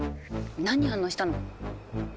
何に反応したの？